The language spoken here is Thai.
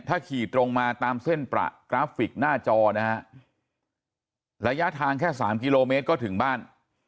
ถ้าขี่ตรงมาตามเส้นประกราฟิกหน้าจอนะฮะระยะทางแค่สามกิโลเมตรก็ถึงบ้าน